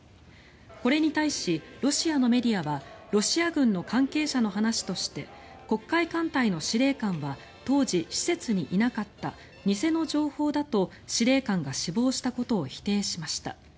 これに対し、ロシアのメディアはロシア軍の関係者の話として黒海艦隊の司令官は当時、施設にいなかった偽の情報だと司令官が死亡したことを否定しました。